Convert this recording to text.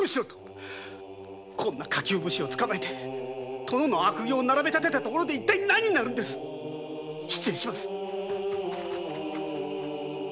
こんな下級武士をつかまえて悪行を並べ立てた所で一体なんになる失礼します！